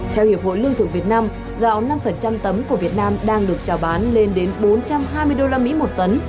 theo hiệp hội lương thực việt nam gạo năm tấm của việt nam đang được trào bán lên đến bốn trăm hai mươi usd một tấn